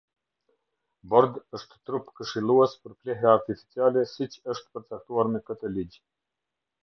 Bord është Trup Këshillues për Plehra artificiale siç është përcaktuar me këtë Ligj.